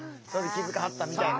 気付かはったみたいな。